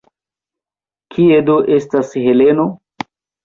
Kie do estas Heleno?